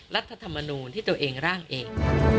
รัฐธรรมนูลที่ตัวเองร่างเอง